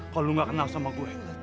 kalau lu nggak kenal sama gue